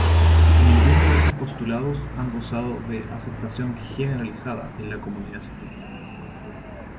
Ninguno de estos postulados han gozado de aceptación generalizada en la comunidad científica.